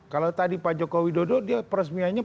kalau tadi pak joko widodo dia peresmiannya